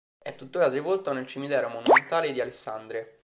È tuttora sepolto nel cimitero monumentale di Alessandria.